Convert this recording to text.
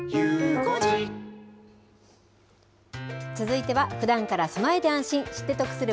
続いてはふだんから備えて安心、知って得する！